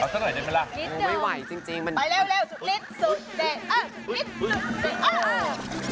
ฉันอยู่คุณเต้นอยู่ฉันอยากให้คุณโชว์คุณสะเต็ด